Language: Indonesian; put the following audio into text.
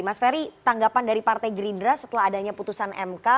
mas ferry tanggapan dari partai gerindra setelah adanya putusan mk